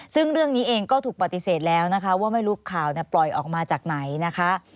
ซึ่งเรื่องนี้เองก็ถูกปฏิเสธแล้วนะคะว่าไม่รู้ข่าวปล่อยออกมาจากไหนนะคะ